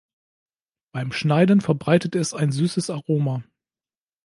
Beim Schneiden verbreitet es ein süßes Aroma.